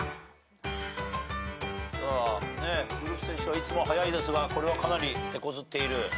ウルフ選手はいつも早いですがこれはかなりてこずっている。